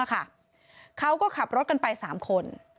เขาก็ขับรถกันไป๓คน